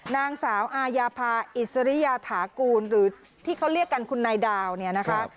นางสาวอายาภาอิสริยฐากูลหรือที่เขาเรียกกันคุณนายดาวเนี่ยนะคะ